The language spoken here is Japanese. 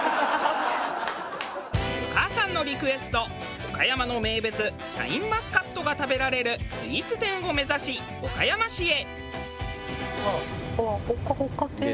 お母さんのリクエスト岡山の名物シャインマスカットが食べられるスイーツ店を目指し岡山市へ。